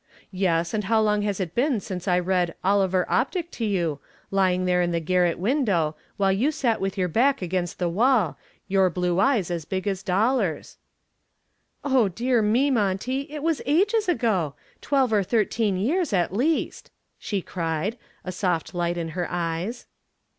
Yes, and how long has it been since I read 'Oliver Optic' to you, lying there in the garret window while you sat with your back against the wall, your blue eyes as big as dollars?" "Oh, dear me, Monty, it was ages ago twelve or thirteen years at least," she cried, a soft light in her eyes.